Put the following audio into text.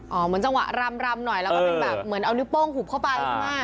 เหมือนจังหวะรำหน่อยแล้วก็เป็นแบบเหมือนเอานิ้วโป้งหุบเข้าไปใช่ไหม